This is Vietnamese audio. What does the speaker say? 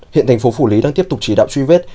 hiện tp phủ lý đang tiếp tục chỉ đạo truy vết